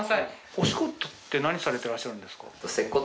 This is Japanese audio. お仕事って何されてらっしゃるんですか？